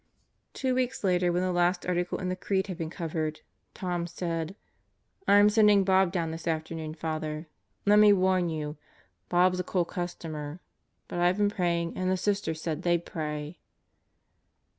Two weeks later when the last Article in the Creed had been covered, Tom said: "Fm sending Bob down this afternoon, Father. ... Let me warn you Bob's a cool customer. But I've been praying and the Sisters said they'd pray."